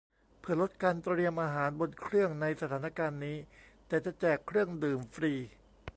เพื่อลดการเตรียมอาหารบนเครื่องในสถานการณ์นี้ แต่จะแจกเครื่องดื่มฟรี